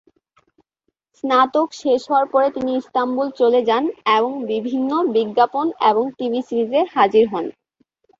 স্নাতক শেষ হওয়ার পরে তিনি ইস্তাম্বুল চলে যান এবং বিভিন্ন বিজ্ঞাপন এবং টিভি সিরিজে হাজির হন।